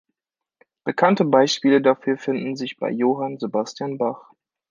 Bekannte Beispiele dafür finden sich bei Johann Sebastian Bach.